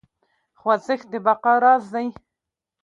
خوځښت د بقا راز دی.